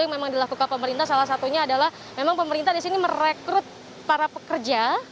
yang dilakukan pemerintah salah satunya adalah memang pemerintah disini merekrut para pekerja